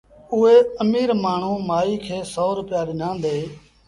اُئي اميٚر مآڻهوٚٚݩ مآئيٚ کي سو روپيآ ڏنآݩدي